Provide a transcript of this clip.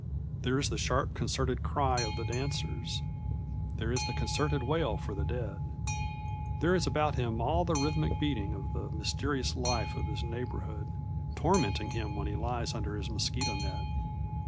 There is the sharp concerted cry of the dancers. There is the concerted wail for the dead. There is about him all the rhythmic beating of the mysterious life of his neighborhood, tormenting him where he lies under his mosquito net.